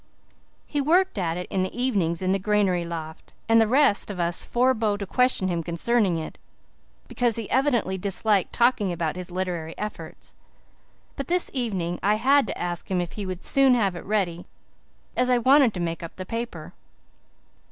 He worked at it in the evenings in the granary loft, and the rest of us forebore to question him concerning it, because he evidently disliked talking about his literary efforts. But this evening I had to ask him if he would soon have it ready, as I wanted to make up the paper.